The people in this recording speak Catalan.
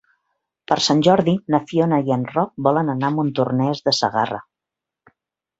Per Sant Jordi na Fiona i en Roc volen anar a Montornès de Segarra.